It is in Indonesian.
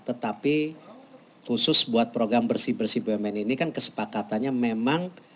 tetapi khusus buat program bersih bersih bumn ini kan kesepakatannya memang